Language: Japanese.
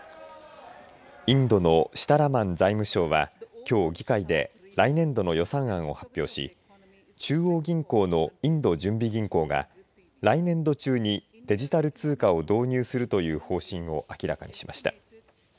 インドのシタラマン財務相はきょう、議会で来年度の予算案を発表し中央銀行のインド準備銀行が来年度中にデジタル通貨を導入するという方針を明らかにしました。